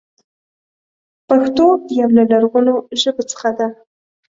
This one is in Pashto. پښتو يو له لرغونو ژبو څخه ده.